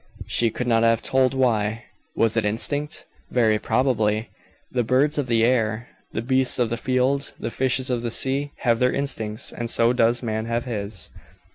She could not have told why. Was it instinct? Very probably. The birds of the air, the beasts of the field, the fishes of the sea, have their instincts, and so does man have his.